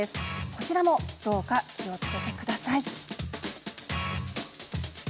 こちらも、どうか気をつけてください。